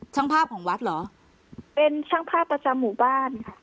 ช่างภาพของวัดเหรอเป็นช่างภาพประจำหมู่บ้านค่ะ